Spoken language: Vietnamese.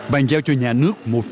bàn giao cho nhà nước